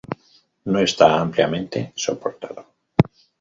No está ampliamente soportado.